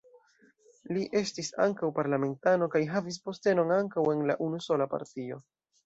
Li estis ankaŭ parlamentano kaj havis postenon ankaŭ en la unusola partio.